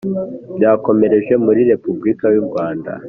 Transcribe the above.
Byakomereje muri Repebulika y u Rwanda